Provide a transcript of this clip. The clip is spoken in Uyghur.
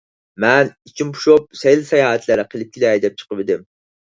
مەن ئىچىم پۇشۇپ، سەيلە - ساياھەتلەر قىلىپ كېلەي دەپ چىقىۋىدىم.